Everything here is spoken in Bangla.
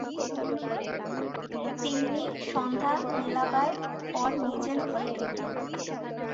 তিন্নি সন্ধ্যা মেলাবার পর নিজের ঘরে ঢুকল।